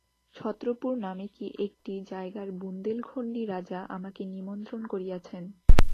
ছত্রপুর নামে কি একটি জায়গার বুন্দেলখণ্ডী রাজা আমাকে নিমন্ত্রণ করিয়াছেন।